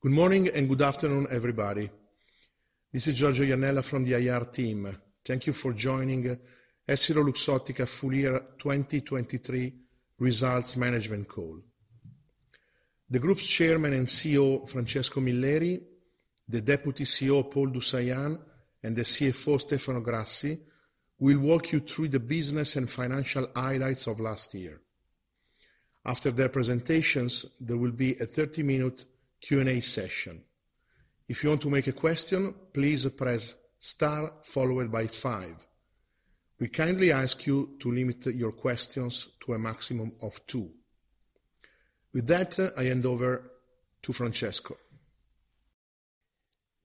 Good morning and good afternoon, everybody. This is Giorgio Iannella from the IR team. Thank you for joining EssilorLuxottica full year 2023 results management call. The group's Chairman and CEO, Francesco Milleri, the Deputy CEO, Paul du Saillant, and the CFO, Stefano Grassi, will walk you through the business and financial highlights of last year. After their presentations, there will be a 30-minute Q&A session. If you want to make a question, please press star followed by five. We kindly ask you to limit your questions to a maximum of two. With that, I hand over to Francesco.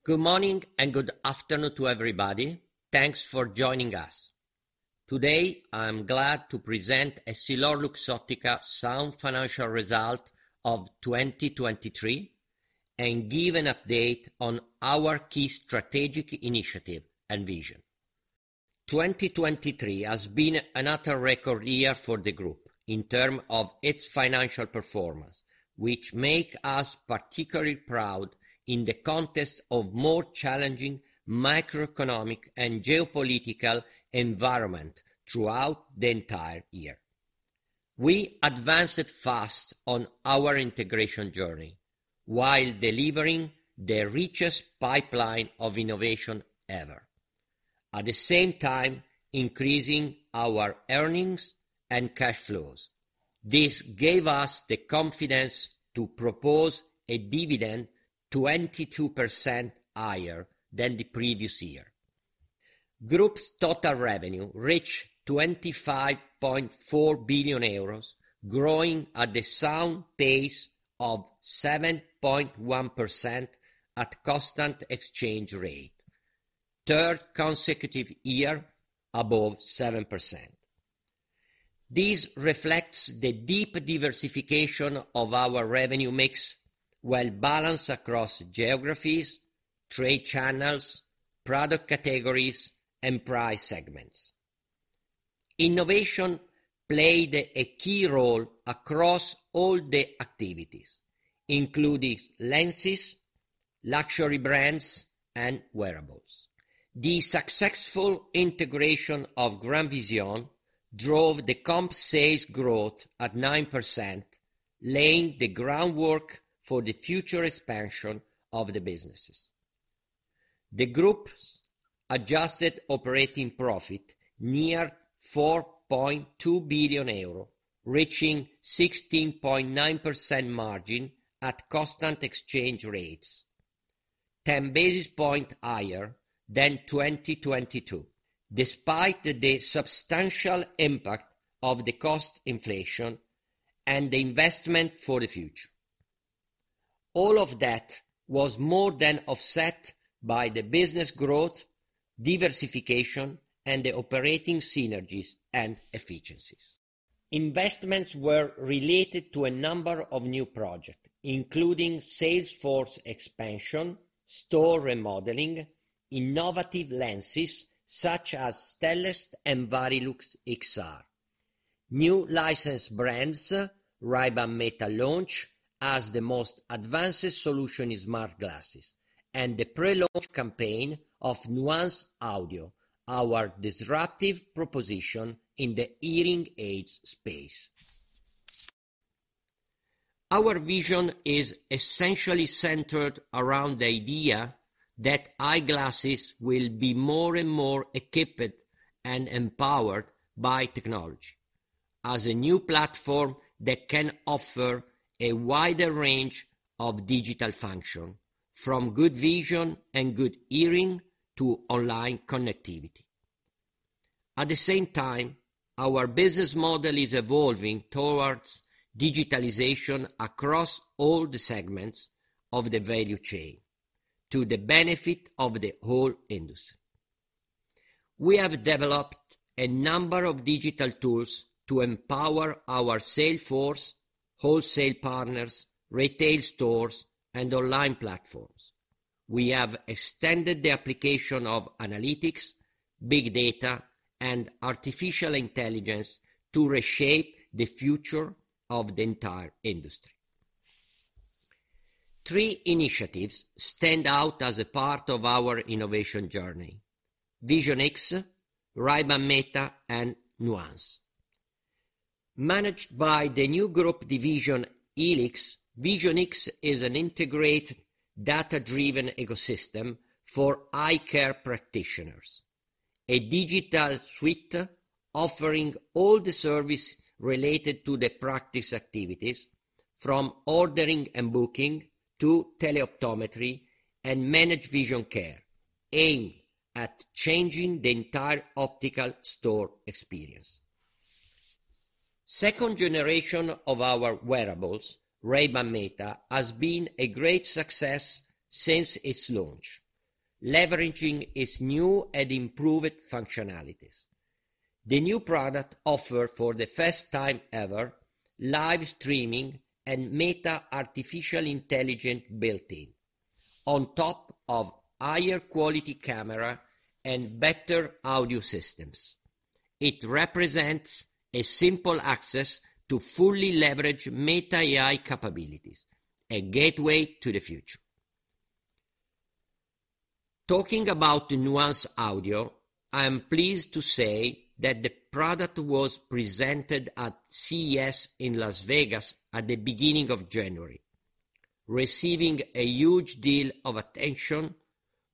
Good morning and good afternoon to everybody. Thanks for joining us. Today I'm glad to present EssilorLuxottica's sound financial result of 2023 and give an update on our key strategic initiative and vision. 2023 has been another record year for the group in terms of its financial performance, which makes us particularly proud in the context of more challenging macroeconomic and geopolitical environments throughout the entire year. We advanced fast on our integration journey while delivering the richest pipeline of innovation ever, at the same time increasing our earnings and cash flows. This gave us the confidence to propose a dividend 22% higher than the previous year. Group's total revenue reached 25.4 billion euros, growing at a sound pace of 7.1% at constant exchange rate, third consecutive year above 7%. This reflects the deep diversification of our revenue mix while balanced across geographies, trade channels, product categories, and price segments. Innovation played a key role across all the activities, including lenses, luxury brands, and wearables. The successful integration of GrandVision drove the comp sales growth at 9%, laying the groundwork for the future expansion of the businesses. The group's adjusted operating profit neared EUR 4.2 billion, reaching a 16.9% margin at constant exchange rates, 10 basis points higher than 2022, despite the substantial impact of the cost inflation and the investment for the future. All of that was more than offset by the business growth, diversification, and the operating synergies and efficiencies. Investments were related to a number of new projects, including sales force expansion, store remodeling, innovative lenses such as Stellest and Varilux XR, new licensed brands like Ray-Ban Meta launch as the most advanced solution in smart glasses, and the pre-launch campaign of Nuance Audio, our disruptive proposition in the hearing aids space. Our vision is essentially centered around the idea that eyeglasses will be more and more equipped and empowered by technology as a new platform that can offer a wider range of digital functions, from good vision and good hearing to online connectivity. At the same time, our business model is evolving towards digitalization across all the segments of the value chain to the benefit of the whole industry. We have developed a number of digital tools to empower our sales force, wholesale partners, retail stores, and online platforms. We have extended the application of analytics, big data, and artificial intelligence to reshape the future of the entire industry. Three initiatives stand out as a part of our innovation journey: Vision X, Ray-Ban Meta, and Nuance Audio. Managed by the new group division HELIX, Vision X is an integrated data-driven ecosystem for eye care practitioners, a digital suite offering all the services related to the practice activities, from ordering and booking to teleoptometry and managed vision care, aimed at changing the entire optical store experience. Second generation of our wearables, Ray-Ban Meta, has been a great success since its launch, leveraging its new and improved functionalities. The new product offers, for the first time ever, live streaming and Meta artificial intelligence built-in, on top of higher quality cameras and better audio systems. It represents simple access to fully leverage Meta AI capabilities, a gateway to the future. Talking about Nuance Audio, I'm pleased to say that the product was presented at CES in Las Vegas at the beginning of January, receiving a huge deal of attention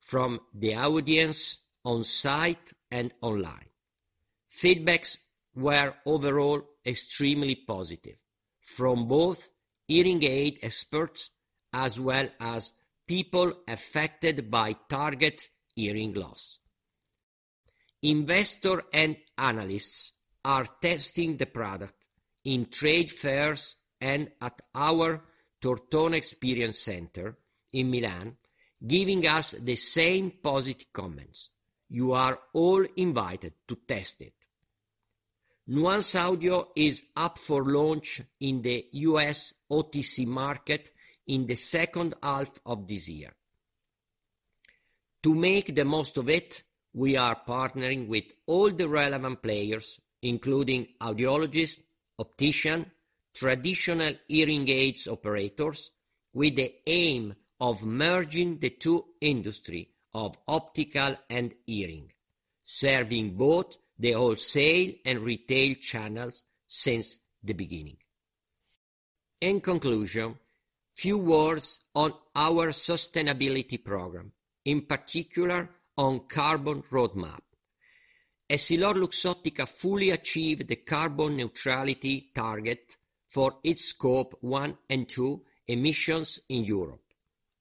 from the audience on-site and online. Feedback was overall extremely positive, from both hearing aid experts as well as people affected by target hearing loss. Investors and analysts are testing the product in trade fairs and at our Tortona Experience Center in Milan, giving us the same positive comments: "You are all invited to test it." Nuance Audio is up for launch in the U.S. OTC market in the second half of this year. To make the most of it, we are partnering with all the relevant players, including audiologists, opticians, and traditional hearing aids operators, with the aim of merging the two industries of optical and hearing, serving both the wholesale and retail channels since the beginning. In conclusion, a few words on our sustainability program, in particular on the carbon roadmap. EssilorLuxottica fully achieved the carbon neutrality target for its Scope 1 and 2 emissions in Europe,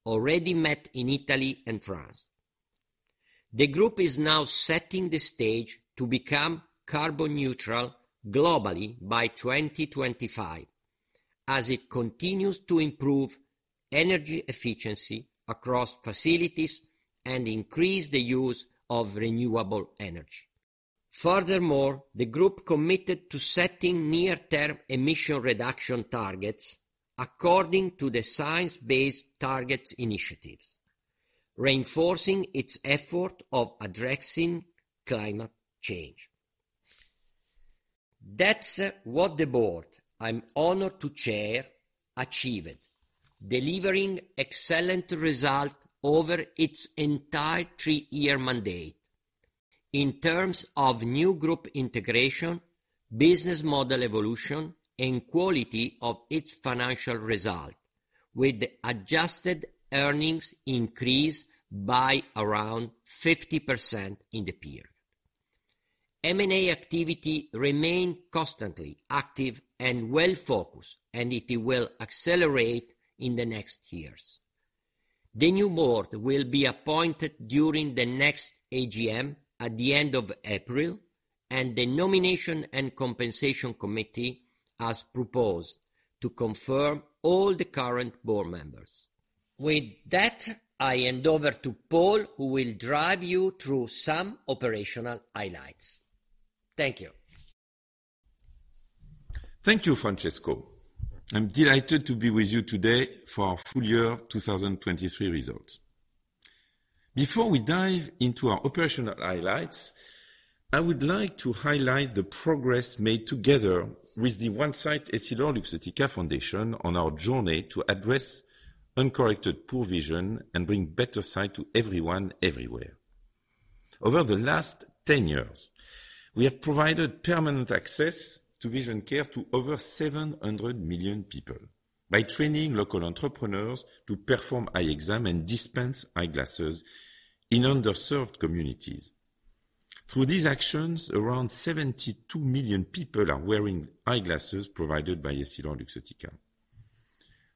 already met in Italy and France. The group is now setting the stage to become carbon neutral globally by 2025, as it continues to improve energy efficiency across facilities and increase the use of renewable energy. Furthermore, the group committed to setting near-term emission reduction targets according to the Science-Based Targets Initiative, reinforcing its efforts of addressing climate change. That's what the board I'm honored to chair achieved, delivering excellent results over its entire three-year mandate in terms of new group integration, business model evolution, and quality of its financial results, with adjusted earnings increasing by around 50% in the period. M&A activity remains constantly active and well-focused, and it will accelerate in the next years. The new board will be appointed during the next AGM at the end of April, and the nomination and compensation committee, as proposed, will confirm all the current board members. With that, I hand over to Paul, who will drive you through some operational highlights. Thank you. Thank you, Francesco. I'm delighted to be with you today for full year 2023 results. Before we dive into our operational highlights, I would like to highlight the progress made together with the OneSight EssilorLuxottica Foundation on our journey to address uncorrected poor vision and bring better sight to everyone everywhere. Over the last 10 years, we have provided permanent access to vision care to over 700 million people by training local entrepreneurs to perform eye exams and dispense eyeglasses in underserved communities. Through these actions, around 72 million people are wearing eyeglasses provided by EssilorLuxottica.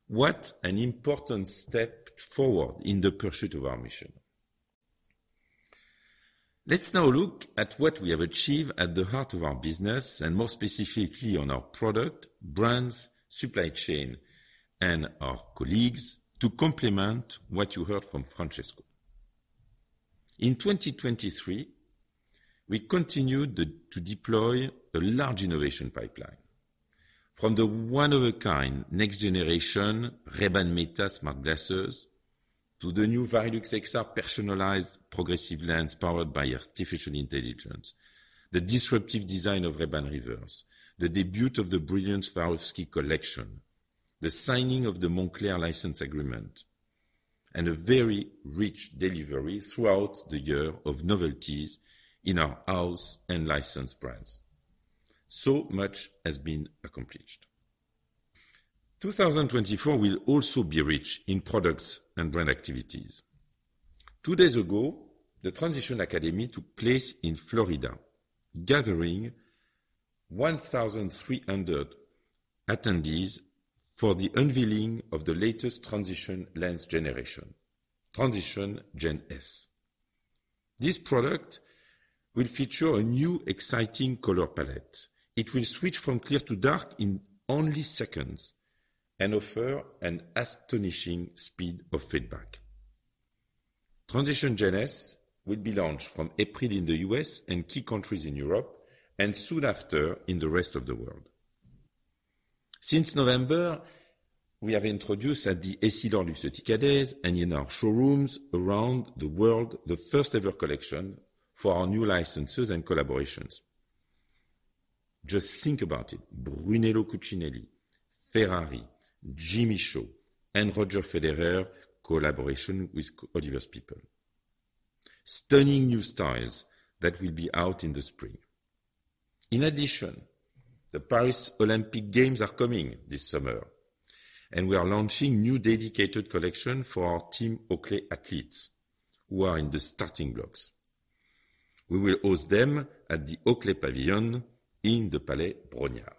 What an important step forward in the pursuit of our mission. Let's now look at what we have achieved at the heart of our business, and more specifically on our product, brands, supply chain, and our colleagues, to complement what you heard from Francesco. In 2023, we continued to deploy a large innovation pipeline, from the one-of-a-kind next-generation Ray-Ban Meta smart glasses to the new Varilux XR personalized progressive lens powered by artificial intelligence, the disruptive design of Ray-Ban Remix, the debut of the brilliant Swarovski collection, the signing of the Moncler license agreement, and a very rich delivery throughout the year of novelties in our house and licensed brands. So much has been accomplished. 2024 will also be rich in products and brand activities. Two days ago, the Transitions Academy took place in Florida, gathering 1,300 attendees for the unveiling of the latest Transitions lens generation, Transitions Gen S. This product will feature a new exciting color palette. It will switch from clear to dark in only seconds and offer an astonishing speed of fade-back. Transitions Gen S will be launched from April in the U.S. and key countries in Europe, and soon after in the rest of the world. Since November, we have introduced at the EssilorLuxottica Days and in our showrooms around the world the first-ever collection for our new licenses and collaborations. Just think about it: Brunello Cucinelli, Ferrari, Jimmy Choo, and Roger Federer collaborating with Oliver Peoples. Stunning new styles that will be out in the spring. In addition, the Paris Olympic Games are coming this summer, and we are launching a new dedicated collection for our team Oakley athletes, who are in the starting blocks. We will host them at the Oakley Pavilion in the Palais Brongniart.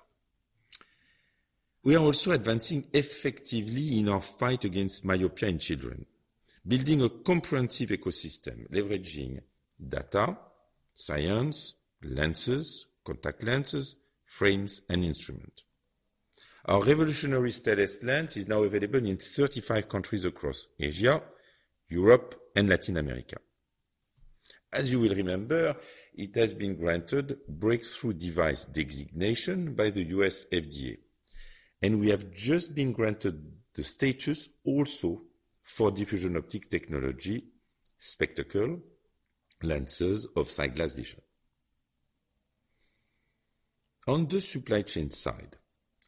We are also advancing effectively in our fight against myopia in children, building a comprehensive ecosystem leveraging data, science, lenses, contact lenses, frames, and instruments. Our revolutionary Stellest lens is now available in 35 countries across Asia, Europe, and Latin America. As you will remember, it has been granted breakthrough device designation by the U.S. FDA, and we have just been granted the status also for Diffusion Optics Technology spectacle lenses for single vision. On the supply chain side,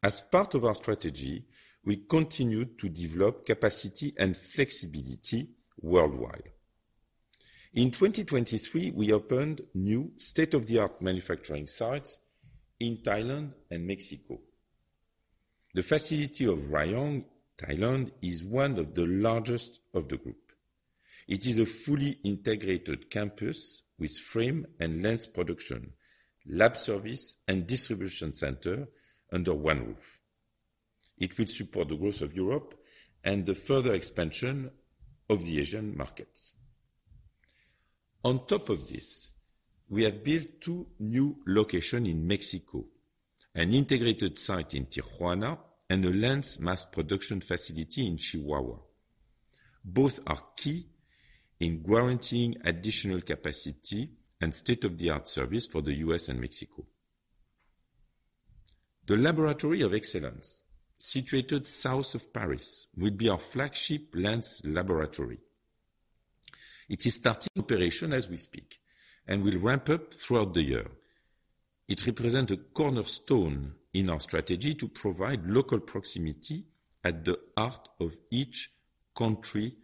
as part of our strategy, we continue to develop capacity and flexibility worldwide. In 2023, we opened new state-of-the-art manufacturing sites in Thailand and Mexico. The facility in Rayong, Thailand, is one of the largest of the group. It is a fully integrated campus with frame and lens production, lab service, and distribution center under one roof. It will support the growth of Europe and the further expansion of the Asian markets. On top of this, we have built two new locations in Mexico: an integrated site in Tijuana and a lens mass production facility in Chihuahua. Both are key in guaranteeing additional capacity and state-of-the-art service for the U.S. and Mexico. The Laboratory of Excellence, situated south of Paris, will be our flagship lens laboratory. It is starting operation as we speak and will ramp up throughout the year. It represents a cornerstone in our strategy to provide local proximity at the heart of each country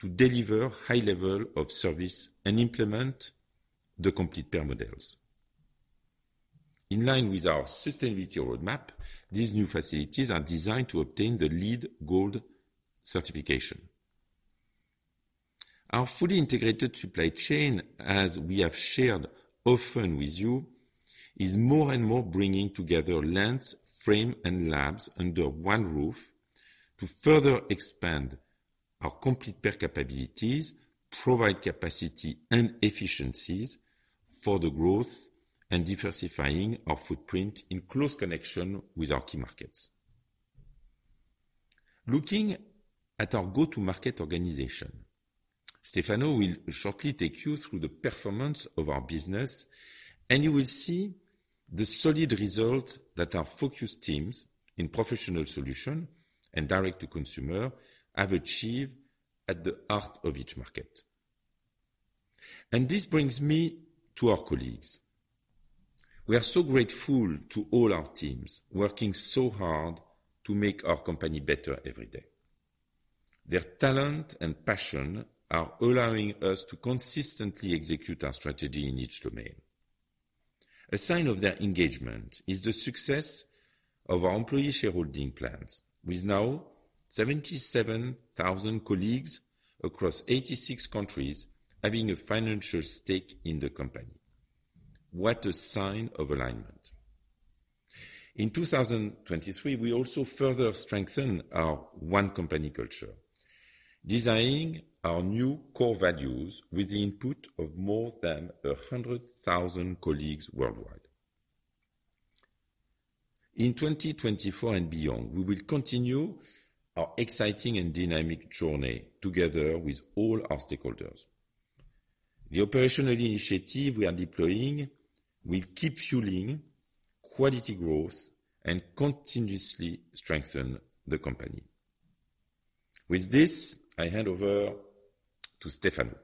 to deliver a high level of service and implement the complete pair models. In line with our sustainability roadmap, these new facilities are designed to obtain the LEED Gold Certification. Our fully integrated supply chain, as we have shared often with you, is more and more bringing together lens, frame, and labs under one roof to further expand our complete pair capabilities, provide capacity, and efficiencies for the growth and diversifying our footprint in close connection with our key markets. Looking at our go-to-market organization, Stefano will shortly take you through the performance of our business, and you will see the solid results that our focused teams in professional solutions and direct-to-consumer have achieved at the heart of each market. And this brings me to our colleagues. We are so grateful to all our teams working so hard to make our company better every day. Their talent and passion are allowing us to consistently execute our strategy in each domain. A sign of their engagement is the success of our employee shareholding plans, with now 77,000 colleagues across 86 countries having a financial stake in the company. What a sign of alignment. In 2023, we also further strengthened our one-company culture, designing our new core values with the input of more than 100,000 colleagues worldwide. In 2024 and beyond, we will continue our exciting and dynamic journey together with all our stakeholders. The operational initiatives we are deploying will keep fueling quality growth and continuously strengthen the company. With this, I hand over to Stefano.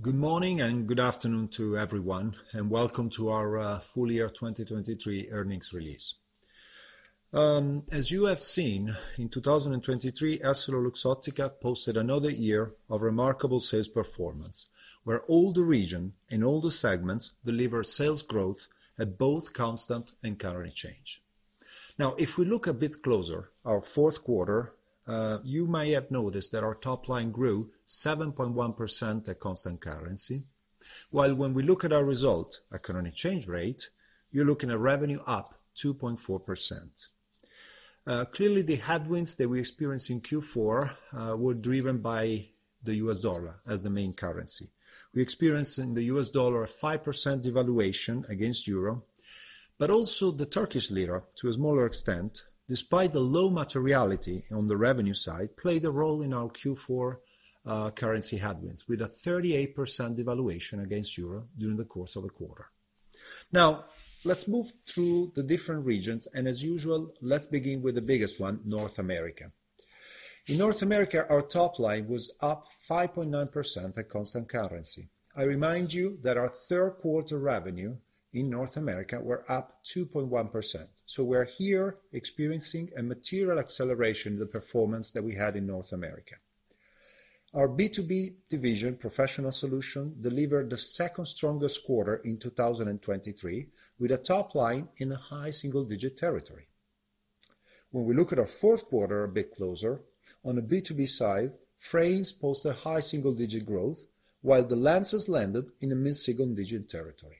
Good morning and good afternoon to everyone, and welcome to our full year 2023 earnings release. As you have seen, in 2023, EssilorLuxottica posted another year of remarkable sales performance, where all the region and all the segments delivered sales growth at both constant and current exchange. Now, if we look a bit closer, our fourth quarter, you may have noticed that our top line grew 7.1% at constant currency, while when we look at our result, economic change rate, you're looking at revenue up 2.4%. Clearly, the headwinds that we experienced in Q4 were driven by the U.S. dollar as the main currency. We experienced in the U.S. dollar a 5% devaluation against euro, but also the Turkish lira, to a smaller extent, despite the low materiality on the revenue side, played a role in our Q4 currency headwinds with a 38% devaluation against euro during the course of the quarter. Now, let's move through the different regions, and as usual, let's begin with the biggest one, North America. In North America, our top line was up 5.9% at constant currency. I remind you that our third-quarter revenue in North America was up 2.1%, so we're here experiencing a material acceleration in the performance that we had in North America. Our B2B division, professional solution, delivered the second strongest quarter in 2023 with a top line in a high single-digit territory. When we look at our fourth quarter a bit closer, on the B2B side, frames posted high single-digit growth, while the lenses landed in a mid-single-digit territory.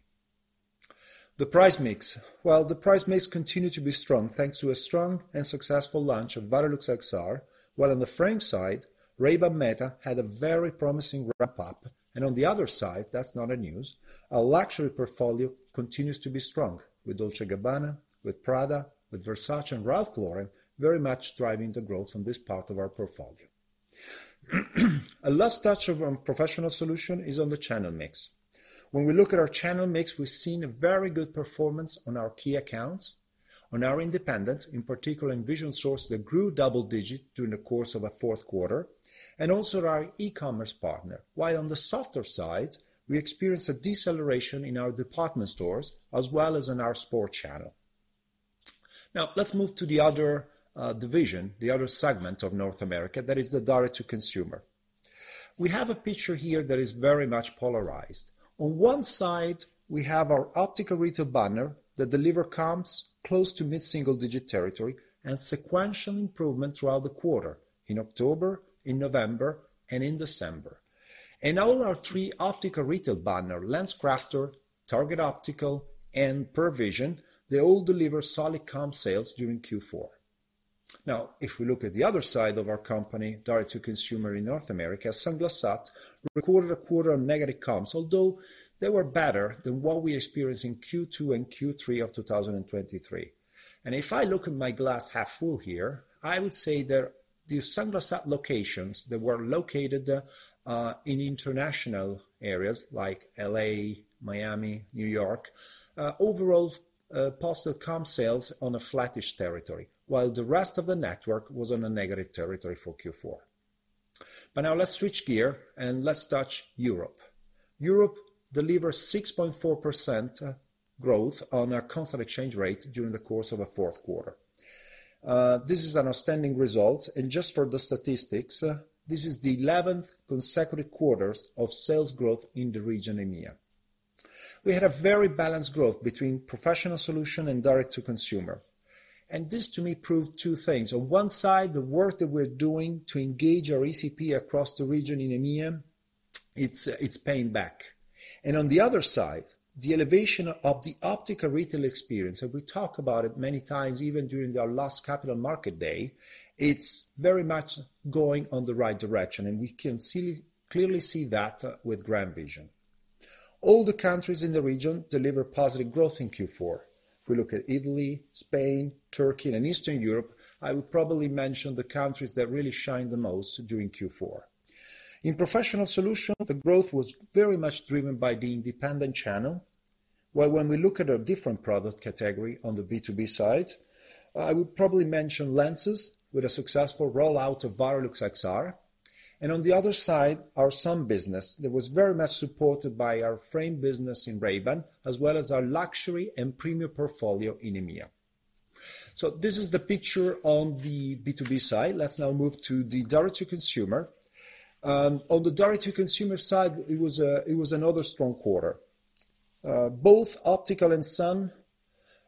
The price mix? Well, the price mix continued to be strong thanks to a strong and successful launch of Varilux XR, while on the frame side, Ray-Ban Meta had a very promising ramp-up, and on the other side, that's not news, our luxury portfolio continues to be strong with Dolce & Gabbana, with Prada, with Versace, and Ralph Lauren very much driving the growth on this part of our portfolio. A last touch on professional solution is on the channel mix. When we look at our channel mix, we've seen a very good performance on our key accounts, on our independents, in particular in Vision Source, that grew double-digit during the course of the fourth quarter, and also our e-commerce partner, while on the softer side, we experienced a deceleration in our department stores as well as in our sport channel. Now, let's move to the other division, the other segment of North America, that is the direct-to-consumer. We have a picture here that is very much polarized. On one side, we have our optical retail banner that delivers comps close to mid-single-digit territory and sequential improvement throughout the quarter in October, in November, and in December. All our three optical retail banners, LensCrafters, Target Optical, and Pearle Vision, they all deliver solid comp sales during Q4. Now, if we look at the other side of our company, direct-to-consumer in North America, Sunglass Hut recorded a quarter of negative comps, although they were better than what we experienced in Q2 and Q3 of 2023. And if I look at my glass half full here, I would say that the Sunglass Hut locations that were located in international areas like L.A., Miami, New York, overall posted comp sales on a flattish territory, while the rest of the network was on a negative territory for Q4. But now, let's switch gear and let's touch Europe. Europe delivers 6.4% growth on a constant exchange rate during the course of a fourth quarter. This is an outstanding result, and just for the statistics, this is the 11th consecutive quarters of sales growth in the region EMEA. We had a very balanced growth between professional solution and direct-to-consumer, and this, to me, proved two things. On one side, the work that we're doing to engage our ECP across the region in EMEA, it's paying back. And on the other side, the elevation of the optical retail experience, and we talk about it many times even during our last Capital Market Day, it's very much going in the right direction, and we can clearly see that with GrandVision. All the countries in the region deliver positive growth in Q4. If we look at Italy, Spain, Turkey, and Eastern Europe, I would probably mention the countries that really shine the most during Q4. In Professional Solutions, the growth was very much driven by the independent channel, while when we look at our different product category on the B2B side, I would probably mention lenses with a successful rollout of Varilux XR, and on the other side, our sun business that was very much supported by our frame business in Ray-Ban as well as our luxury and premium portfolio in EMEA. So this is the picture on the B2B side. Let's now move to the direct-to-consumer. On the direct-to-consumer side, it was another strong quarter. Both optical and sun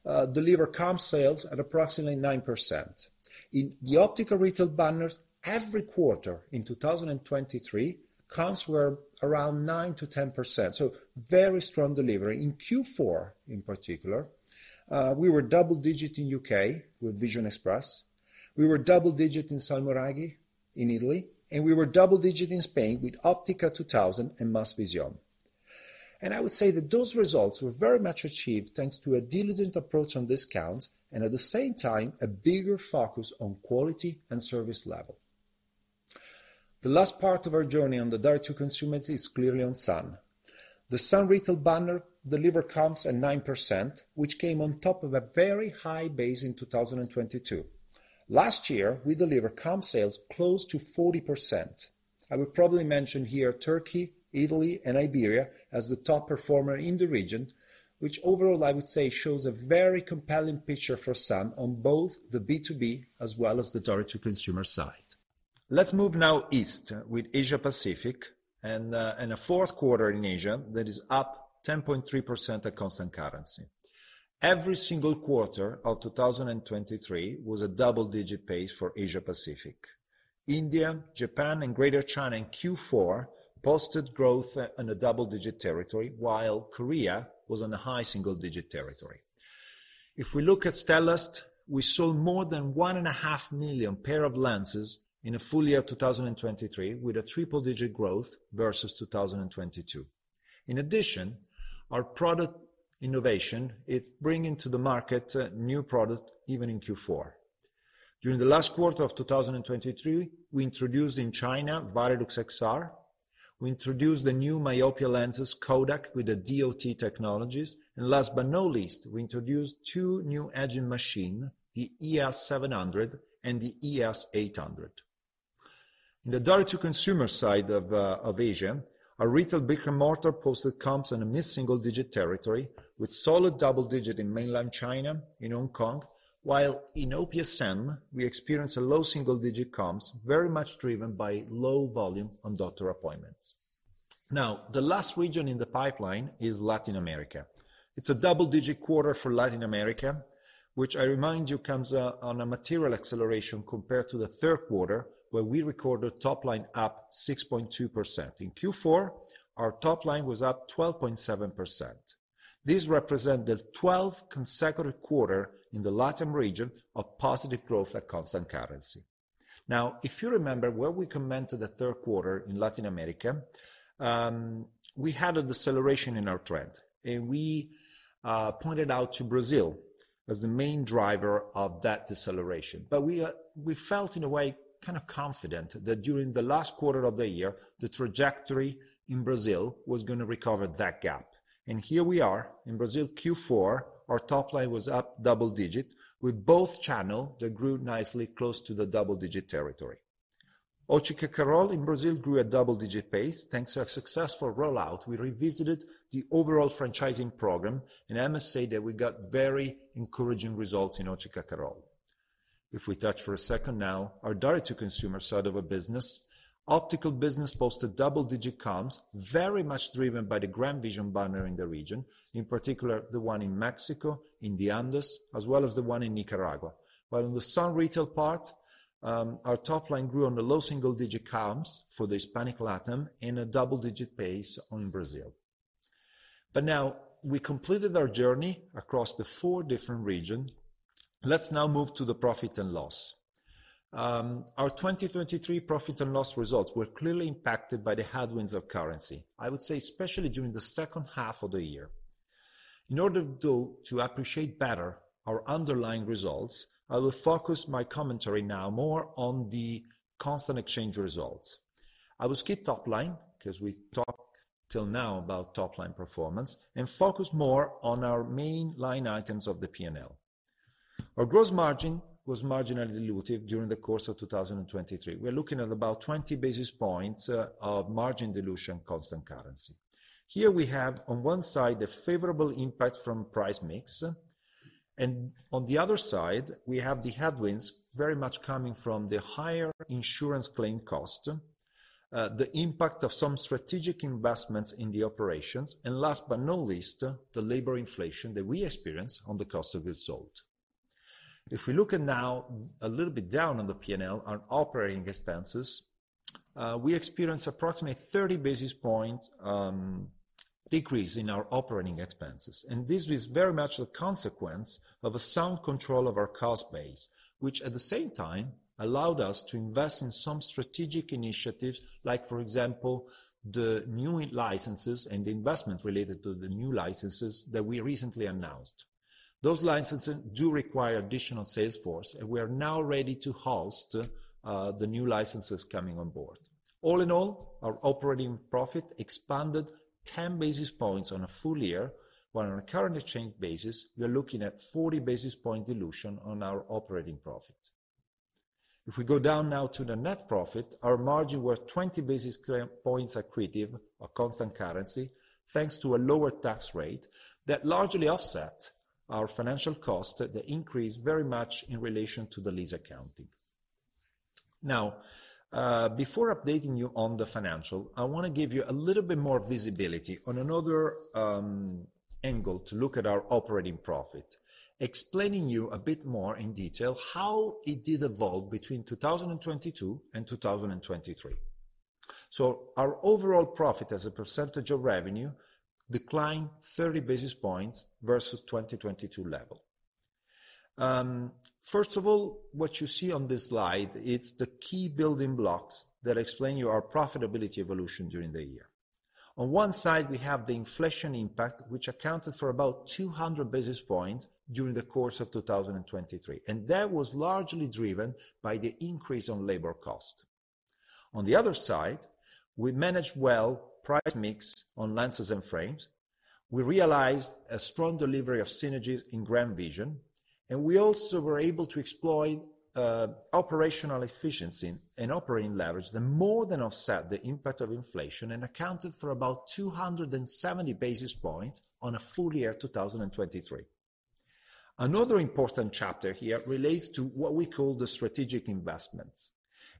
deliver comp sales at approximately 9%. In the optical retail banners, every quarter in 2023, comps were around 9%-10%, so very strong delivery. In Q4, in particular, we were double-digit in the U.K. with Vision Express. We were double-digit in Salmoiraghi in Italy, and we were double-digit in Spain with Optica2000 and Masvisión. I would say that those results were very much achieved thanks to a diligent approach on discounts and, at the same time, a bigger focus on quality and service level. The last part of our journey on the direct-to-consumer is clearly on sun. The sun retail banner delivered comps at 9%, which came on top of a very high base in 2022. Last year, we delivered comp sales close to 40%. I would probably mention here Turkey, Italy, and Iberia as the top performer in the region, which overall, I would say, shows a very compelling picture for sun on both the B2B as well as the direct-to-consumer side. Let's move now east with Asia-Pacific and a fourth quarter in Asia that is up 10.3% at constant currency. Every single quarter of 2023 was a double-digit pace for Asia-Pacific. India, Japan, and Greater China in Q4 posted growth in a double-digit territory, while Korea was on a high single-digit territory. If we look at Stellest, we sold more than 1.5 million pairs of lenses in a full year of 2023 with a triple-digit growth versus 2022. In addition, our product innovation, it's bringing to the market new products even in Q4. During the last quarter of 2023, we introduced in China Varilux XR. We introduced the new myopia lenses Kodak with the DOT technology, and last but not least, we introduced two new edging machines, the ES700 and the ES800. In the direct-to-consumer side of Asia, our retail brick and mortar posted comps in a mid-single-digit territory with solid double-digit in mainland China in Hong Kong, while in OPSM, we experienced low single-digit comps very much driven by low volume on doctor appointments. Now, the last region in the pipeline is Latin America. It's a double-digit quarter for Latin America, which, I remind you, comes on a material acceleration compared to the third quarter, where we recorded a top line up 6.2%. In Q4, our top line was up 12.7%. This represents the 12th consecutive quarter in the Latin region of positive growth at constant currency. Now, if you remember where we commented the third quarter in Latin America, we had a deceleration in our trend, and we pointed out Brazil as the main driver of that deceleration. But we felt, in a way, kind of confident that during the last quarter of the year, the trajectory in Brazil was going to recover that gap. And here we are. In Brazil, Q4, our top line was up double-digit with both channels that grew nicely close to the double-digit territory. Óticas Carol in Brazil grew at double-digit pace thanks to a successful rollout. We revisited the overall franchising program, and I must say that we got very encouraging results in Óticas Carol. If we touch for a second now, our direct-to-consumer side of our business, optical business, posted double-digit comps very much driven by the GrandVision banner in the region, in particular the one in Mexico, in the Andes, as well as the one in Nicaragua. While on the sun retail part, our top line grew on the low single-digit comps for the Hispanic Latin in a double-digit pace in Brazil. But now, we completed our journey across the four different regions. Let's now move to the profit and loss. Our 2023 profit and loss results were clearly impacted by the headwinds of currency, I would say, especially during the second half of the year. In order, though, to appreciate better our underlying results, I will focus my commentary now more on the constant exchange results. I will skip top line because we talked till now about top line performance and focus more on our main line items of the P&L. Our gross margin was marginally diluted during the course of 2023. We're looking at about 20 basis points of margin dilution in constant currency. Here, we have, on one side, the favorable impact from price mix, and on the other side, we have the headwinds very much coming from the higher insurance claim cost, the impact of some strategic investments in the operations, and last but not least, the labor inflation that we experienced on the cost of goods sold. If we look now a little bit down on the P&L, our operating expenses, we experienced approximately 30 basis points decrease in our operating expenses, and this was very much the consequence of a sound control of our cost base, which, at the same time, allowed us to invest in some strategic initiatives like, for example, the new licenses and the investment related to the new licenses that we recently announced. Those licenses do require additional sales force, and we are now ready to host the new licenses coming on board. All in all, our operating profit expanded 10 basis points on a full year, while on a current exchange basis, we are looking at 40 basis points dilution on our operating profit. If we go down now to the net profit, our margin was 20 basis points accretive at constant currency thanks to a lower tax rate that largely offset our financial cost, the increase very much in relation to the lease accounting. Now, before updating you on the financials, I want to give you a little bit more visibility on another angle to look at our operating profit, explaining to you a bit more in detail how it did evolve between 2022 and 2023. Our overall profit as a percentage of revenue declined 30 basis points versus 2022 level. First of all, what you see on this slide, it's the key building blocks that explain our profitability evolution during the year. On one side, we have the inflation impact, which accounted for about 200 basis points during the course of 2023, and that was largely driven by the increase in labor cost. On the other side, we managed well price mix on lenses and frames. We realized a strong delivery of synergies in GrandVision, and we also were able to exploit operational efficiency and operating leverage that more than offset the impact of inflation and accounted for about 270 basis points on a full year of 2023. Another important chapter here relates to what we call the strategic investments,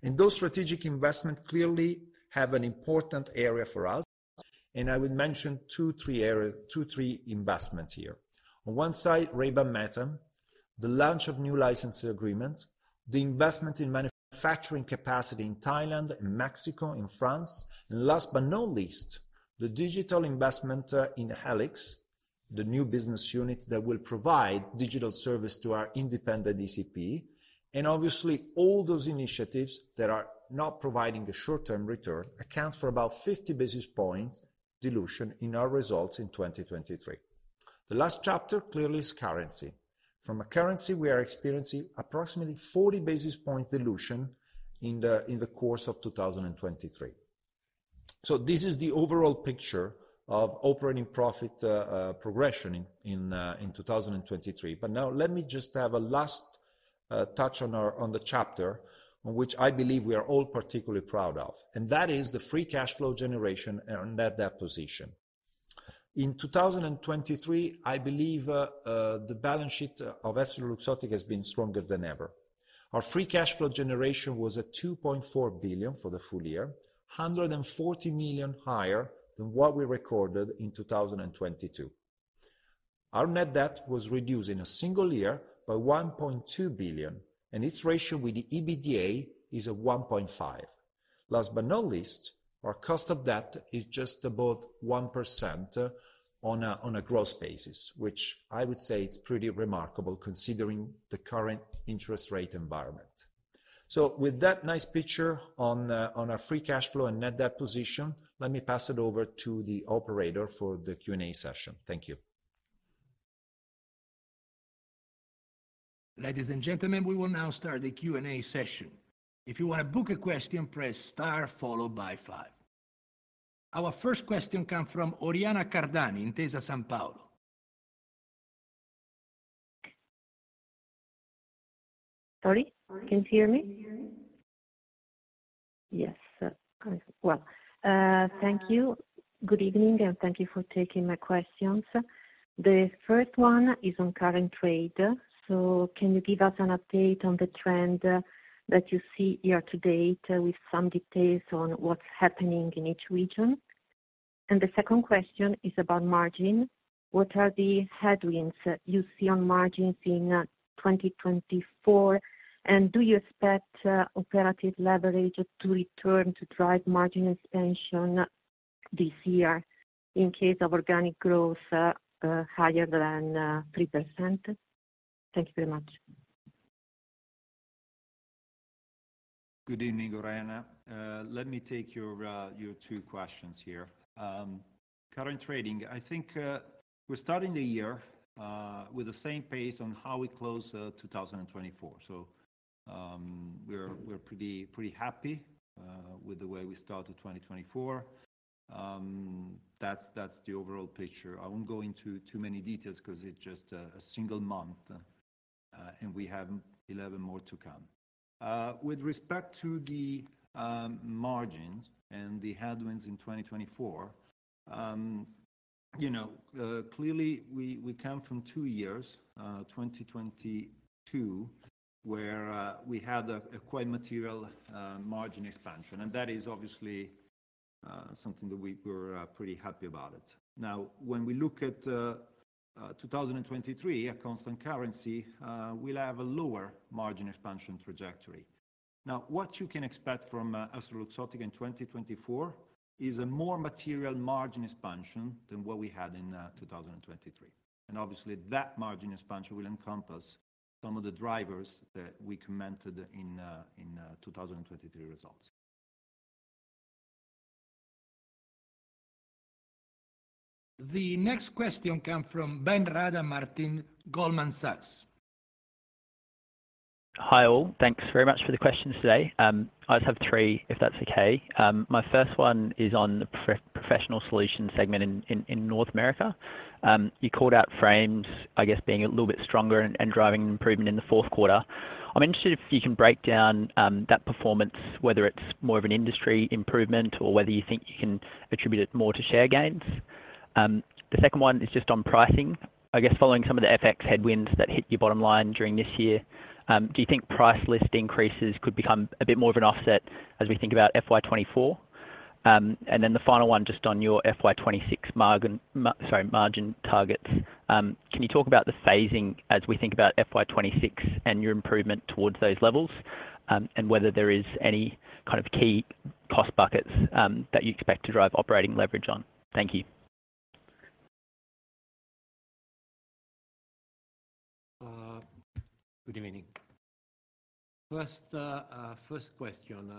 and those strategic investments clearly have an important area for us, and I would mention two, three investments here. On one side, Ray-Ban Meta, the launch of new licensing agreements, the investment in manufacturing capacity in Thailand, in Mexico, in France, and last but not least, the digital investment in HELIX, the new business unit that will provide digital service to our independent ECP, and obviously, all those initiatives that are not providing a short-term return accounts for about 50 basis points dilution in our results in 2023. The last chapter clearly is currency. From a currency, we are experiencing approximately 40 basis points dilution in the course of 2023. So this is the overall picture of operating profit progression in 2023. But now, let me just have a last touch on the chapter on which I believe we are all particularly proud of, and that is the free cash flow generation and net debt position. In 2023, I believe the balance sheet of EssilorLuxottica has been stronger than ever. Our free cash flow generation was at 2.4 billion for the full year, 140 million higher than what we recorded in 2022. Our net debt was reduced in a single year by 1.2 billion, and its ratio with the EBITDA is at 1.5. Last but not least, our cost of debt is just above 1% on a gross basis, which I would say it's pretty remarkable considering the current interest rate environment. So with that nice picture on our free cash flow and net debt position, let me pass it over to the operator for the Q&A session. Thank you. Ladies and gentlemen, we will now start the Q&A session. If you want to ask a question, press star followed by five. Our first question comes from Oriana Cardani in Intesa Sanpaolo. Sorry? Can you hear me? Yes. Well, thank you. Good evening, and thank you for taking my questions. The first one is on current trade. So can you give us an update on the trend that you see here to date with some details on what's happening in each region? And the second question is about margin. What are the headwinds you see on margins in 2024, and do you expect operative leverage to return to drive margin expansion this year in case of organic growth higher than 3%? Thank you very much. Good evening, Oriana. Let me take your two questions here. Current trading, I think we're starting the year with the same pace on how we close 2024. So we're pretty happy with the way we started 2024. That's the overall picture. I won't go into too many details because it's just a single month, and we have 11 more to come. With respect to the margins and the headwinds in 2024, clearly, we come from two years, 2022, where we had a quite material margin expansion, and that is obviously something that we were pretty happy about. Now, when we look at 2023 at constant currency, we'll have a lower margin expansion trajectory. Now, what you can expect from EssilorLuxottica in 2024 is a more material margin expansion than what we had in 2023. Obviously, that margin expansion will encompass some of the drivers that we commented on in 2023 results. The next question comes from Ben Rada Martin, Goldman Sachs. Hi all. Thanks very much for the questions today. I'll have three, if that's okay. My first one is on the professional solution segment in North America. You called out frames, I guess, being a little bit stronger and driving improvement in the fourth quarter. I'm interested if you can break down that performance, whether it's more of an industry improvement or whether you think you can attribute it more to share gains. The second one is just on pricing. I guess, following some of the FX headwinds that hit your bottom line during this year, do you think price list increases could become a bit more of an offset as we think about FY2024? Then the final one, just on your FY2026 margin targets, can you talk about the phasing as we think about FY2026 and your improvement towards those levels and whether there is any kind of key cost buckets that you expect to drive operating leverage on? Thank you. Good evening. First question.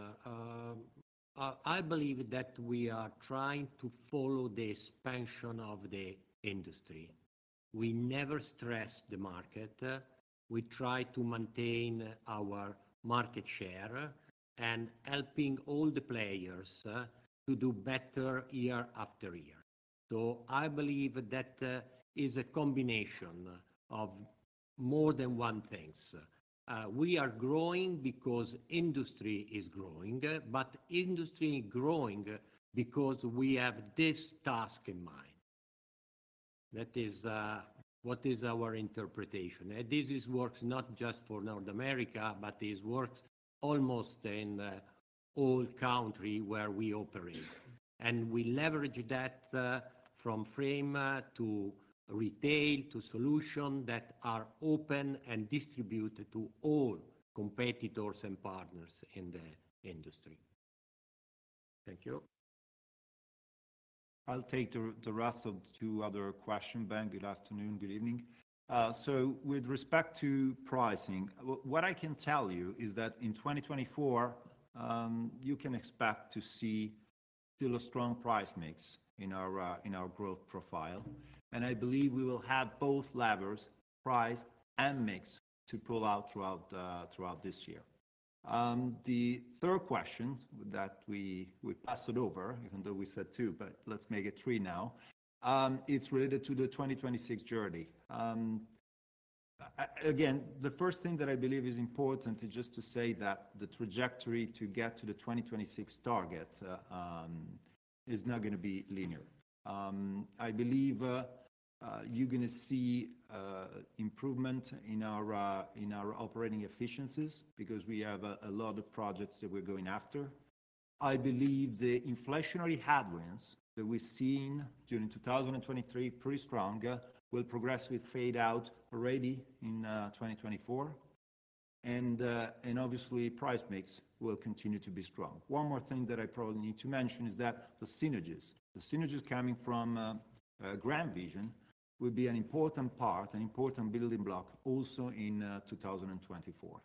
I believe that we are trying to follow the expansion of the industry. We never stress the market. We try to maintain our market share and help all the players to do better year after year. So I believe that is a combination of more than one thing. We are growing because industry is growing, but industry is growing because we have this task in mind. That is what is our interpretation. And this works not just for North America, but this works almost in all countries where we operate. And we leverage that from frame to retail to solutions that are open and distributed to all competitors and partners in the industry. Thank you. I'll take the rest of the two other questions. Ben, good afternoon. Good evening. So with respect to pricing, what I can tell you is that in 2024, you can expect to see still a strong price mix in our growth profile, and I believe we will have both levers, price and mix, to pull out throughout this year. The third question that we passed it over, even though we said two, but let's make it three now. It's related to the 2026 journey. Again, the first thing that I believe is important is just to say that the trajectory to get to the 2026 target is not going to be linear. I believe you're going to see improvement in our operating efficiencies because we have a lot of projects that we're going after. I believe the inflationary headwinds that we've seen during 2023, pretty strong, will progress with fade-out already in 2024. Obviously, price mix will continue to be strong. One more thing that I probably need to mention is that the synergies, the synergies coming from GrandVision, will be an important part, an important building block also in 2024.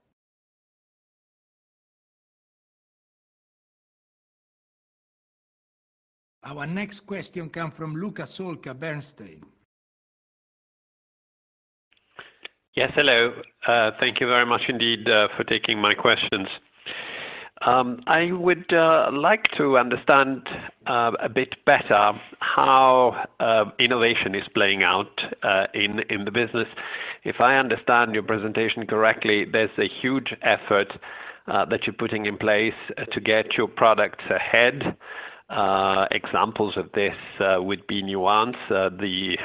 Our next question comes from Luca Solca, Bernstein. Yes. Hello. Thank you very much indeed for taking my questions. I would like to understand a bit better how innovation is playing out in the business. If I understand your presentation correctly, there's a huge effort that you're putting in place to get your products ahead. Examples of this would be Nuance, the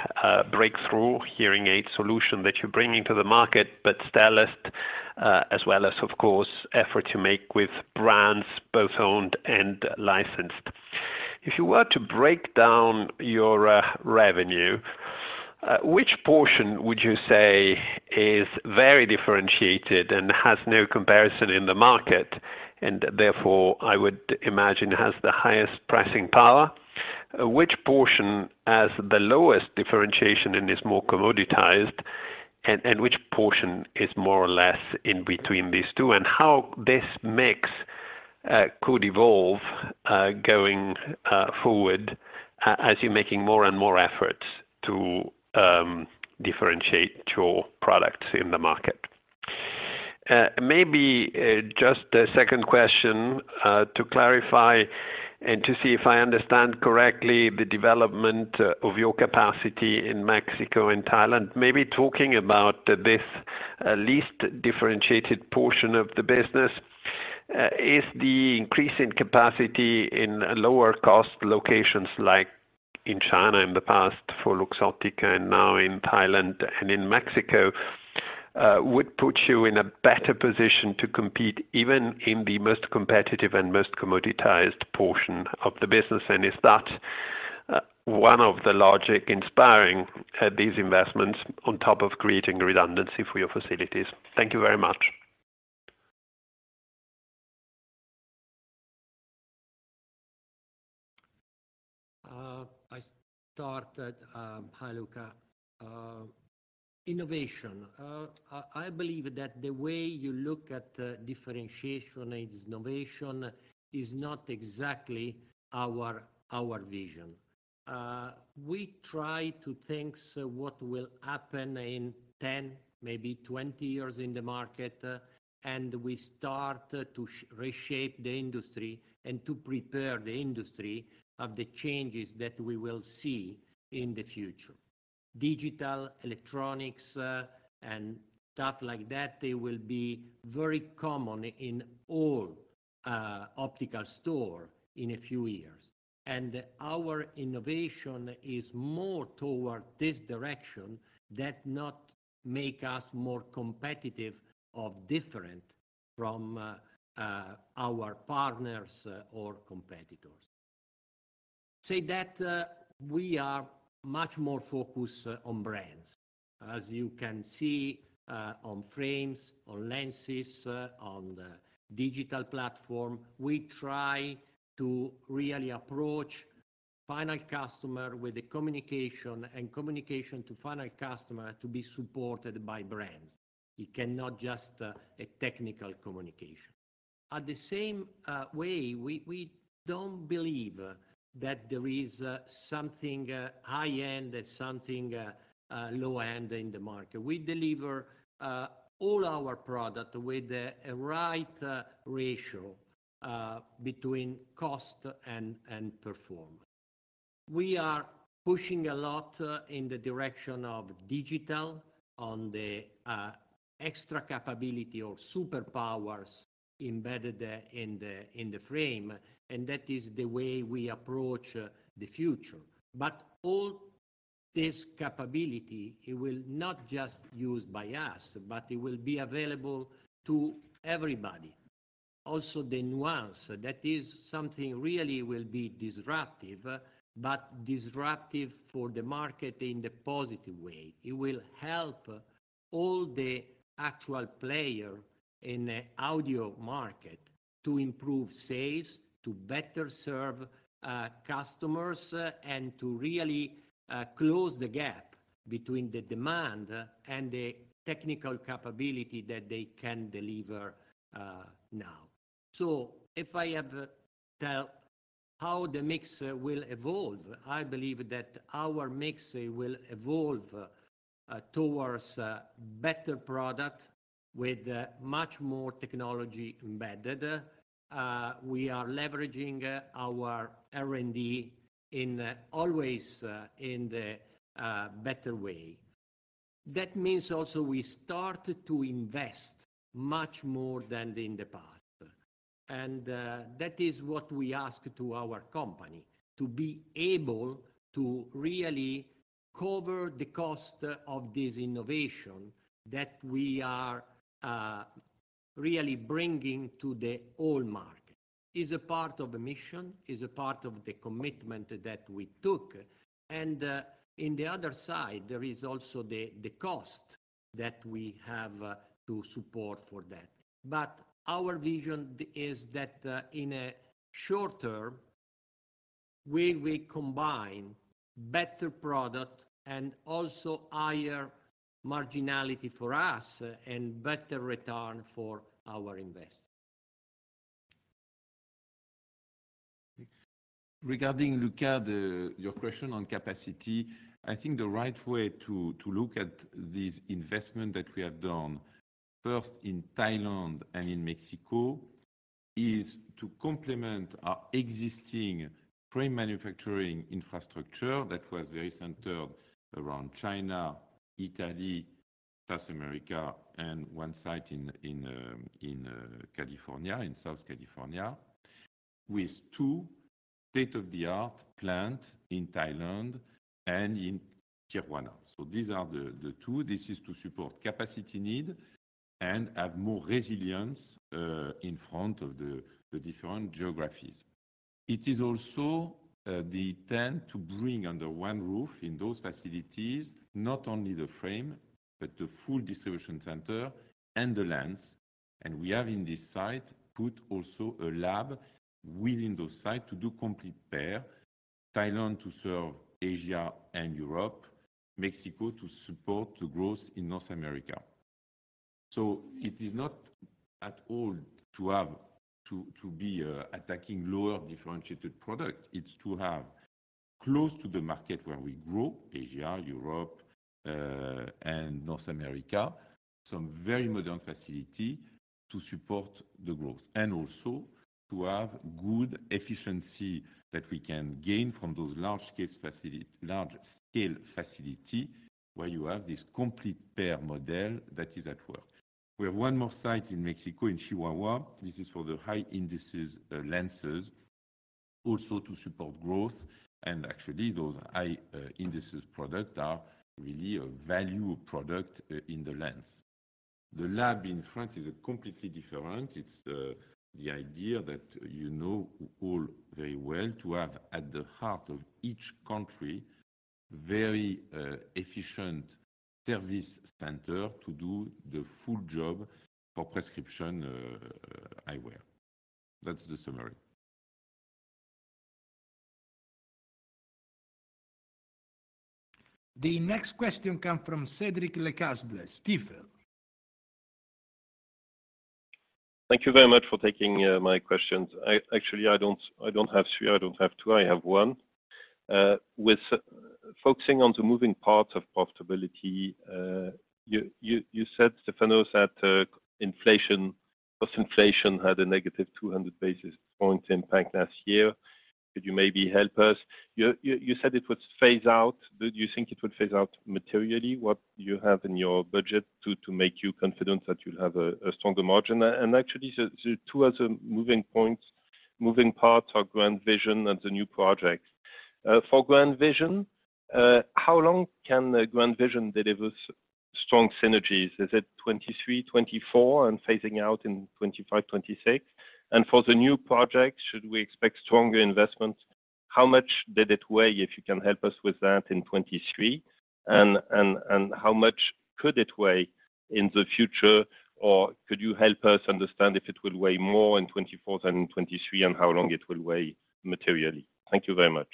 breakthrough hearing aid solution that you're bringing to the market, but Stellest, as well as, of course, efforts you make with brands, both owned and licensed. If you were to break down your revenue, which portion would you say is very differentiated and has no comparison in the market and, therefore, I would imagine has the highest pricing power? Which portion has the lowest differentiation and is more commoditized, and which portion is more or less in between these two? How this mix could evolve going forward as you're making more and more efforts to differentiate your products in the market? Maybe just a second question to clarify and to see if I understand correctly the development of your capacity in Mexico and Thailand. Maybe talking about this least differentiated portion of the business, is the increase in capacity in lower-cost locations like in China in the past for Luxottica and now in Thailand and in Mexico would put you in a better position to compete even in the most competitive and most commoditized portion of the business? And is that one of the logics inspiring these investments on top of creating redundancy for your facilities? Thank you very much. I start. Hi, Luca. Innovation. I believe that the way you look at differentiation and innovation is not exactly our vision. We try to think what will happen in 10, maybe 20 years in the market, and we start to reshape the industry and to prepare the industry for the changes that we will see in the future. Digital, electronics, and stuff like that, they will be very common in all optical stores in a few years. And our innovation is more toward this direction that not makes us more competitive or different from our partners or competitors. Say that we are much more focused on brands. As you can see on frames, on lenses, on the digital platform, we try to really approach the final customer with the communication and communication to the final customer to be supported by brands. It cannot just be a technical communication. In the same way, we don't believe that there is something high-end and something low-end in the market. We deliver all our products with the right ratio between cost and performance. We are pushing a lot in the direction of digital on the extra capability or superpowers embedded in the frame, and that is the way we approach the future. But all this capability, it will not just be used by us, but it will be available to everybody. Also, the Nuance, that is something really will be disruptive, but disruptive for the market in the positive way. It will help all the actual players in the audio market to improve sales, to better serve customers, and to really close the gap between the demand and the technical capability that they can deliver now. If I have to tell how the mix will evolve, I believe that our mix will evolve towards a better product with much more technology embedded. We are leveraging our R&D always in the better way. That means also we start to invest much more than in the past. And that is what we ask of our company, to be able to really cover the cost of this innovation that we are really bringing to the whole market. It's a part of the mission, it's a part of the commitment that we took. And on the other side, there is also the cost that we have to support for that. But our vision is that in the short term, we will combine better product and also higher marginality for us and better return for our investors. Regarding, Luca, your question on capacity, I think the right way to look at this investment that we have done, first in Thailand and in Mexico, is to complement our existing frame manufacturing infrastructure that was very centered around China, Italy, South America, and one site in California, in South California, with two state-of-the-art plants in Thailand and in Tijuana. These are the two. This is to support capacity needs and have more resilience in front of the different geographies. It is also the intent to bring under one roof in those facilities not only the frame but the full distribution center and the lens. We have, in this site, put also a lab within those sites to do a complete pair: Thailand to serve Asia and Europe, Mexico to support the growth in North America. It is not at all to be attacking lower differentiated products. It's to have, close to the market where we grow, Asia, Europe, and North America, some very modern facilities to support the growth and also to have good efficiency that we can gain from those large-scale facilities where you have this complete pair model that is at work. We have one more site in Mexico in Chihuahua. This is for the high-index lenses, also to support growth. And actually, those high-index products are really a value product in the lens. The lab in France is completely different. It's the idea that you know all very well to have, at the heart of each country, a very efficient service center to do the full job for prescription eyewear. That's the summary. The next question comes from Cedric Lecasble, Stifel. Thank you very much for taking my questions. Actually, I don't have three. I don't have two. I have one. With focusing on the moving parts of profitability, you said, Stefano, that inflation, post-inflation, had a negative 200 basis point impact last year. Could you maybe help us? You said it would phase out. Do you think it would phase out materially what you have in your budget to make you confident that you'll have a stronger margin? And actually, the two other moving parts are GrandVision and the new project. For GrandVision, how long can GrandVision deliver strong synergies? Is it 2023, 2024, and phasing out in 2025, 2026? And for the new projects, should we expect stronger investments? How much did it weigh, if you can help us with that, in 2023? How much could it weigh in the future, or could you help us understand if it will weigh more in 2024 than in 2023 and how long it will weigh materially? Thank you very much.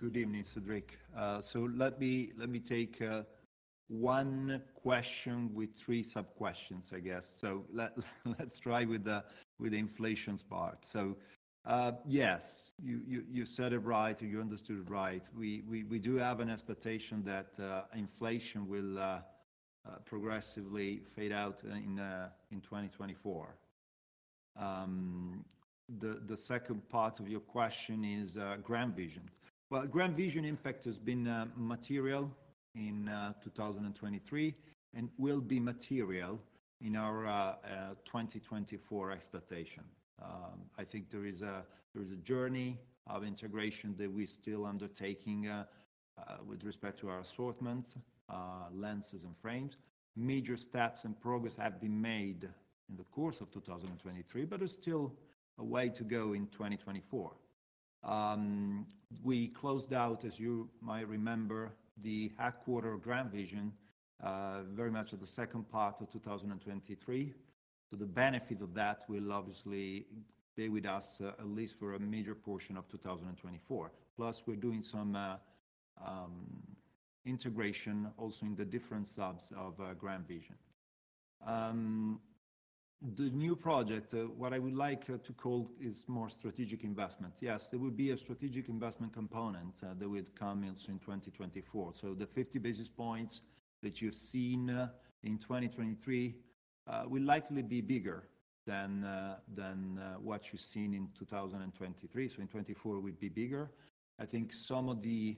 Good evening, Cedric. So let me take one question with three sub-questions, I guess. So let's try with the inflation part. So yes, you said it right, or you understood it right. We do have an expectation that inflation will progressively fade out in 2024. The second part of your question is GrandVision. Well, GrandVision impact has been material in 2023 and will be material in our 2024 expectation. I think there is a journey of integration that we're still undertaking with respect to our assortments, lenses, and frames. Major steps and progress have been made in the course of 2023, but there's still a way to go in 2024. We closed out, as you might remember, the headquarters of GrandVision very much at the second part of 2023. So the benefit of that will obviously stay with us at least for a major portion of 2024. Plus, we're doing some integration also in the different subs of GrandVision. The new project, what I would like to call is more strategic investment. Yes, there will be a strategic investment component that will come also in 2024. So the 50 basis points that you've seen in 2023 will likely be bigger than what you've seen in 2023. So in 2024, it will be bigger. I think some of the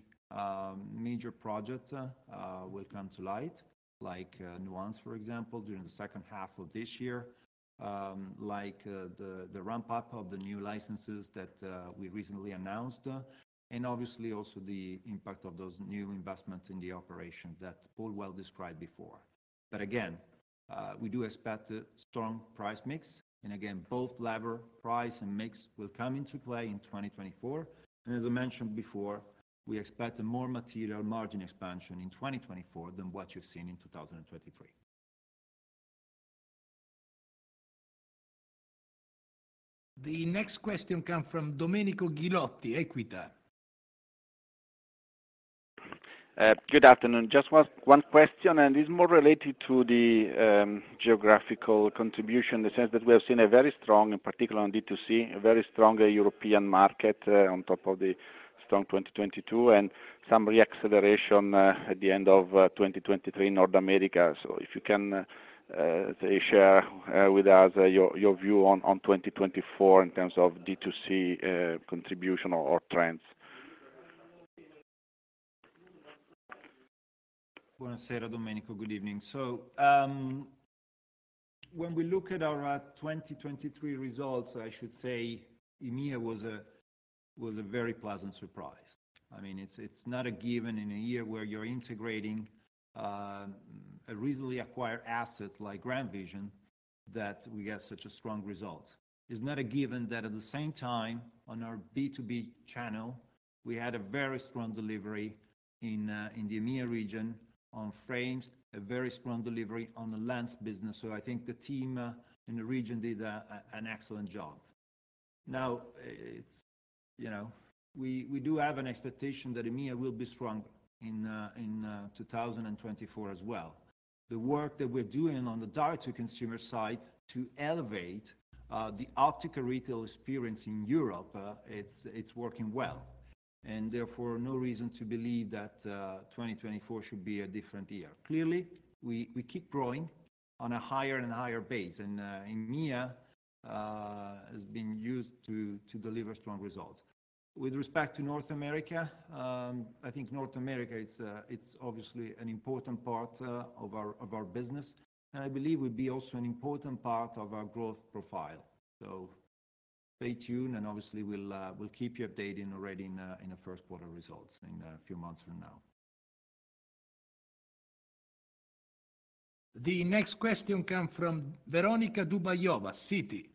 major projects will come to light, like Nuance, for example, during the second half of this year, like the ramp-up of the new licenses that we recently announced, and obviously also the impact of those new investments in the operation that Paul well described before. But again, we do expect a strong price mix. And again, both lever price and mix will come into play in 2024. As I mentioned before, we expect a more material margin expansion in 2024 than what you've seen in 2023. The next question comes from Domenico Ghilotti, Equita. Good afternoon. Just one question. It's more related to the geographical contribution in the sense that we have seen a very strong, in particular on D2C, a very strong European market on top of the strong 2022 and some reacceleration at the end of 2023 in North America. So if you can share with us your view on 2024 in terms of D2C contribution or trends. Buonasera, Domenico. Good evening. So when we look at our 2023 results, I should say EMEA was a very pleasant surprise. I mean, it's not a given in a year where you're integrating recently acquired assets like GrandVision that we get such a strong result. It's not a given that at the same time, on our B2B channel, we had a very strong delivery in the EMEA region on frames, a very strong delivery on the lens business. So I think the team in the region did an excellent job. Now, we do have an expectation that EMEA will be strong in 2024 as well. The work that we're doing on the direct-to-consumer side to elevate the optical retail experience in Europe, it's working well. And therefore, no reason to believe that 2024 should be a different year. Clearly, we keep growing on a higher and higher base. EMEA has been used to deliver strong results. With respect to North America, I think North America is obviously an important part of our business. I believe it will be also an important part of our growth profile. Stay tuned. Obviously, we'll keep you updated already in the first quarter results in a few months from now. The next question comes from Veronika Dubajova, Citi.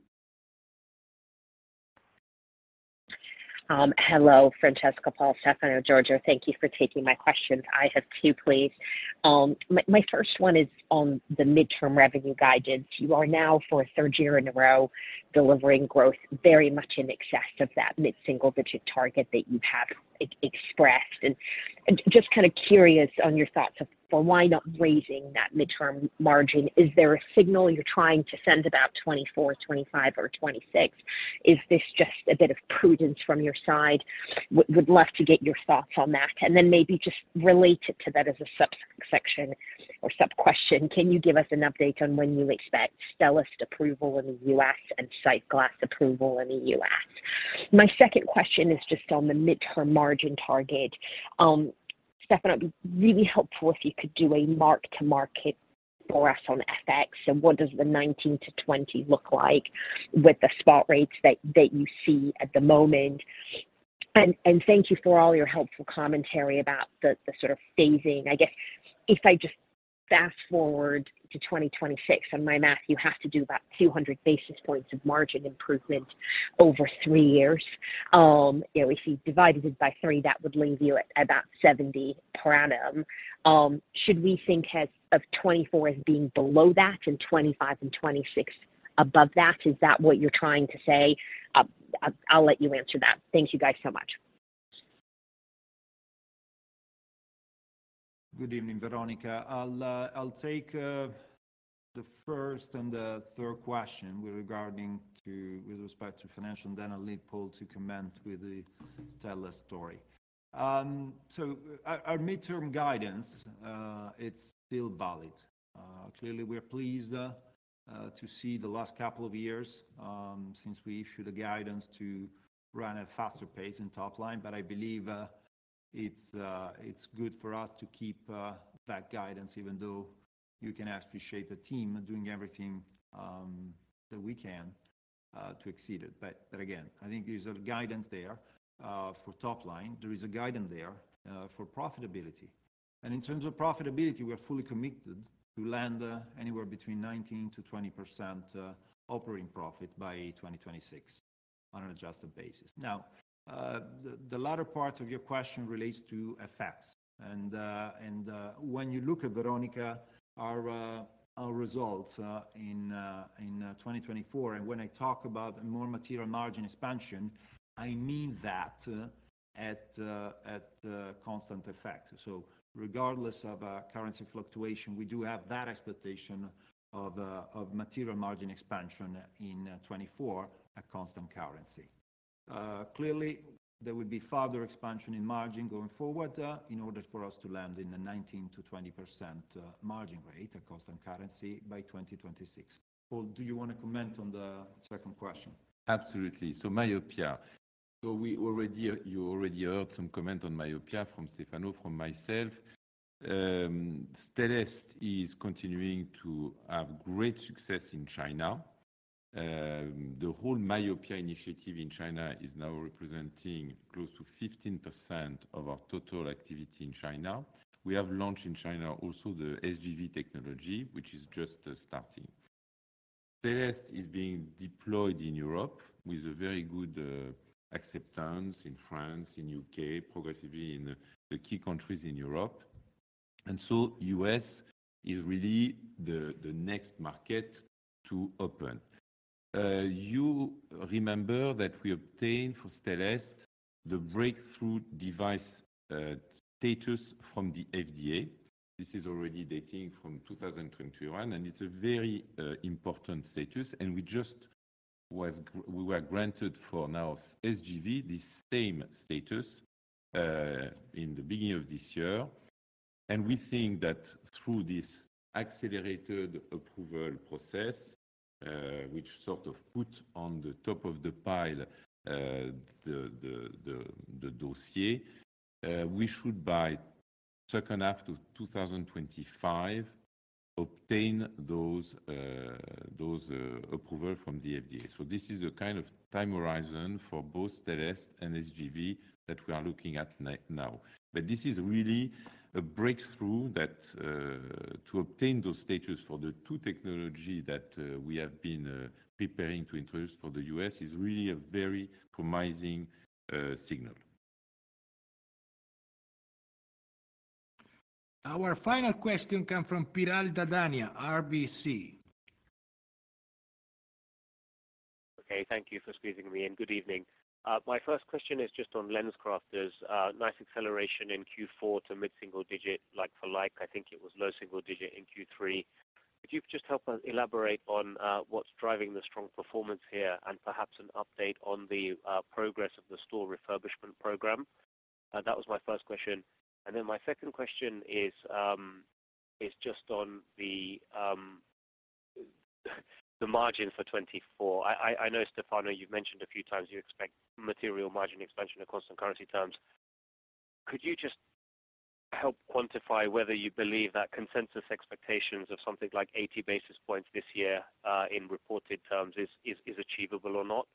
Hello, Francesco, Paul. Stefano, Giorgio, thank you for taking my questions. I have two, please. My first one is on the mid-term revenue guidance. You are now for a third year in a row delivering growth very much in excess of that mid-single-digit target that you have expressed. And just kind of curious on your thoughts of, well, why not raising that mid-term margin? Is there a signal you're trying to send about 2024, 2025, or 2026? Is this just a bit of prudence from your side? Would love to get your thoughts on that. And then maybe just relate it to that as a subsection or sub-question. Can you give us an update on when you expect Stellest approval in the U.S. and SightGlass approval in the U.S.? My second question is just on the mid-term margin target. Stefano, it would be really helpful if you could do a mark-to-market for us on FX. So what does the 2019 to 2020 look like with the spot rates that you see at the moment? And thank you for all your helpful commentary about the sort of phasing. I guess if I just fast-forward to 2026, on my math, you have to do about 200 basis points of margin improvement over three years. If you divided it by three, that would leave you at about 70 per annum. Should we think of 2024 as being below that and 2025 and 2026 above that? Is that what you're trying to say? I'll let you answer that. Thank you guys so much. Good evening, Veronica. I'll take the first and the third question with respect to financial. And then I'll leave Paul to comment with the Stellest story. So our midterm guidance, it's still valid. Clearly, we're pleased to see the last couple of years since we issued the guidance to run at a faster pace and top line. But I believe it's good for us to keep that guidance, even though you can appreciate the team doing everything that we can to exceed it. But again, I think there's a guidance there for top line. There is a guidance there for profitability. And in terms of profitability, we're fully committed to land anywhere between 19%-20% operating profit by 2026 on an adjusted basis. Now, the latter part of your question relates to FX. When you look at, Veronica, our results in 2024, and when I talk about more material margin expansion, I mean that at constant FX. So regardless of currency fluctuation, we do have that expectation of material margin expansion in 2024 at constant currency. Clearly, there will be further expansion in margin going forward in order for us to land in the 19%-20% margin rate at constant currency by 2026. Paul, do you want to comment on the second question? Absolutely. So myopia so you already heard some comment on myopia from Stefano, from myself. Stellest is continuing to have great success in China. The whole myopia initiative in China is now representing close to 15% of our total activity in China. We have launched in China also the SGV technology, which is just starting. Stellest is being deployed in Europe with very good acceptance in France, in the U.K., progressively in the key countries in Europe. And so the U.S. is really the next market to open. You remember that we obtained for Stellest the breakthrough device status from the FDA. This is already dating from 2021. And it's a very important status. And we were granted for now SGV the same status in the beginning of this year. We think that through this accelerated approval process, which sort of put on the top of the pile the dossier, we should by second half of 2025 obtain those approvals from the FDA. This is the kind of time horizon for both Stellest and SGV that we are looking at now. This is really a breakthrough that to obtain those statuses for the two technologies that we have been preparing to introduce for the U.S. is really a very promising signal. Our final question comes from Piral Dadhania, RBC. Okay. Thank you for squeezing me in. Good evening. My first question is just on LensCrafters. There's nice acceleration in Q4 to mid-single digit like for like. I think it was low single digit in Q3. Could you just help us elaborate on what's driving the strong performance here and perhaps an update on the progress of the store refurbishment program? That was my first question. And then my second question is just on the margin for 2024. I know, Stefano, you've mentioned a few times you expect material margin expansion at constant currency terms. Could you just help quantify whether you believe that consensus expectations of something like 80 basis points this year in reported terms is achievable or not?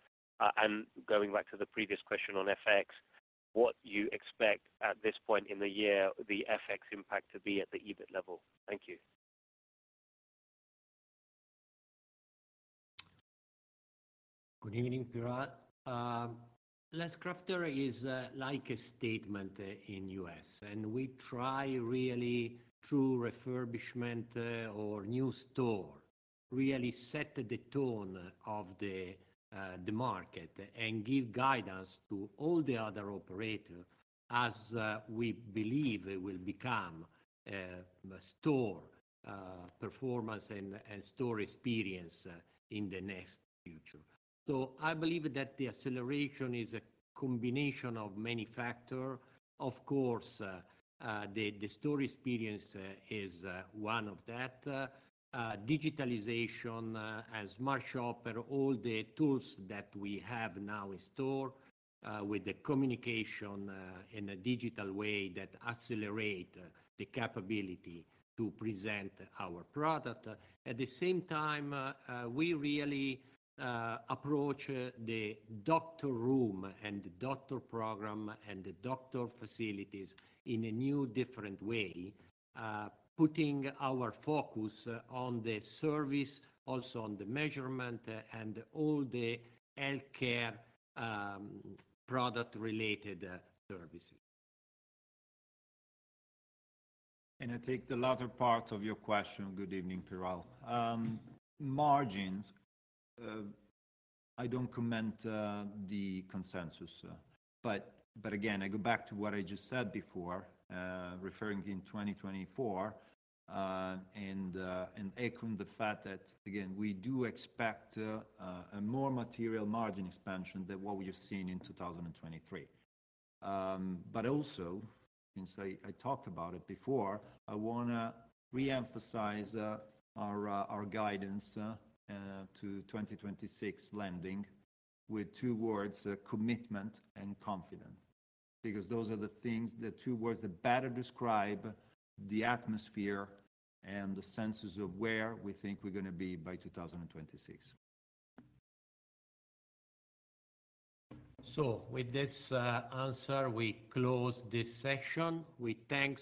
And going back to the previous question on FX, what you expect at this point in the year the FX impact to be at the EBIT level. Thank you. Good evening, Piral. LensCrafters is like a statement in the U.S. We try really through refurbishment or new store really set the tone of the market and give guidance to all the other operators as we believe it will become store performance and store experience in the next future. So I believe that the acceleration is a combination of many factors. Of course, the store experience is one of that. Digitalization and Smart Shopper, all the tools that we have now in store with the communication in a digital way that accelerates the capability to present our product. At the same time, we really approach the doctor room and the doctor program and the doctor facilities in a new different way, putting our focus on the service, also on the measurement, and all the healthcare product-related services. I take the latter part of your question. Good evening, Piral. Margins, I don't comment the consensus. But again, I go back to what I just said before referring to in 2024 and echoing the fact that, again, we do expect a more material margin expansion than what we have seen in 2023. But also, since I talked about it before, I want to reemphasize our guidance to 2026 landing with two words: commitment and confidence. Because those are the two words that better describe the atmosphere and the senses of where we think we're going to be by 2026. With this answer, we close this session. We thank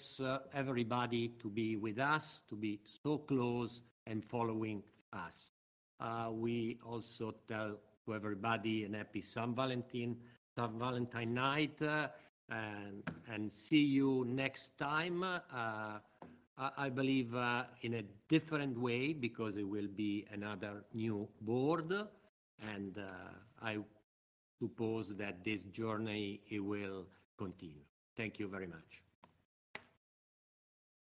everybody for being with us, for being so close and following us. We also tell everybody a happy St. Valentine's Night, and see you next time, I believe, in a different way because it will be another new board. I suppose that this journey, it will continue. Thank you very much.